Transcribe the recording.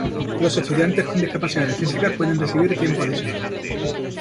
Los estudiantes con discapacidades físicas pueden recibir tiempo adicional.